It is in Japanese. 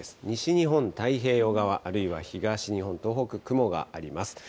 西日本、太平洋側、あるいは東日本、東北、雲があります。